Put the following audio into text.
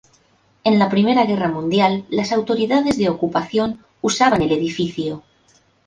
En Primera Guerra Mundial las autoridades de ocupación usaban el edificio.